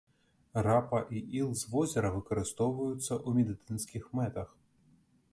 Рапа і іл з возера выкарыстоўваюцца ў медыцынскіх мэтах.